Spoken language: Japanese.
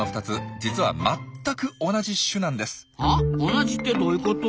同じってどういうこと？